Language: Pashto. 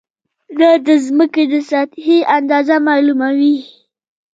دا د ځمکې د سطحې اندازه معلوموي.